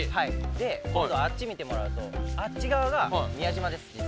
で今度あっち見てもらうとあっち側が宮島です実は。